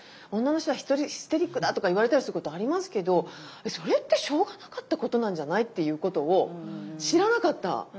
「女の人はヒステリックだ」とか言われたりすることありますけど「それってしょうがなかったことなんじゃない？」っていうことを知らなかった。